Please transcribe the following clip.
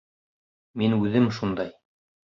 Мин үҙем шундай.